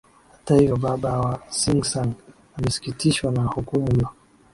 hata hivyo baba wa sinsang amesikitishwa na hukumu hiyo